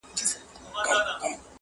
دبدبه د حُسن وه چي وحسي رام سو،